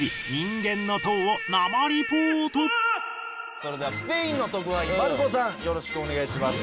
それではスペインの特派員マルコさんよろしくお願いします。